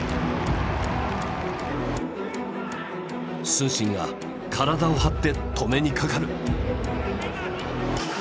承信が体を張って止めにかかる。